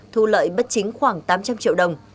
thu lợi bất chính khoảng tám trăm linh triệu đồng